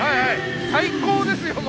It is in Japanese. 最高ですよ！